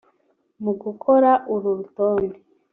Mu gukora uru rutonde